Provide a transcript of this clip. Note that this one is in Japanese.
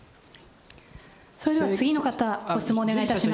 それでは次の方、ご質問お願いいたします。